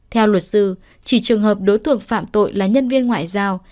theo luật sư chỉ trường hợp đối tượng phạm tội là nhân viên ngoại giao